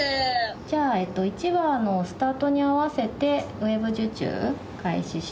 じゃあ１話のスタートに併せてウェブ受注開始して。